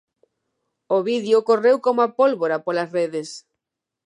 O vídeo correu como a pólvora polas redes.